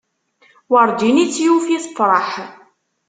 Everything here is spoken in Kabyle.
Werǧin i tt-yufi tefreḥ.